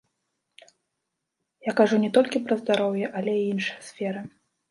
Я кажу не толькі пра здароўе, але і іншыя сферы.